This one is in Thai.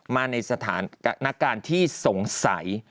มาในสถานการณ์ที่สงสัย